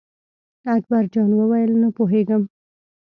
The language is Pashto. اکبر جان وویل: نه پوهېږم.